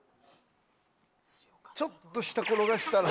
ちょっと舌転がしたら。